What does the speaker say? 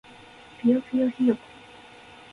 ぴよぴよひよこ